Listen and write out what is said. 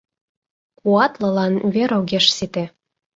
«Куатлылан вер огеш сите...